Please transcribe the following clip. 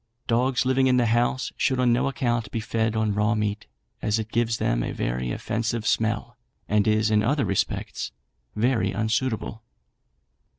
Dogs living in the house should on no account be fed on raw meat, as it gives them a very offensive smell, and is in other respects very unsuitable."